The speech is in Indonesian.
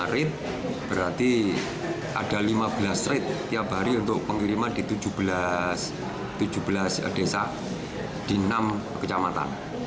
lima rit berarti ada lima belas rit setiap hari untuk pengiriman di tujuh belas desa di enam kecamatan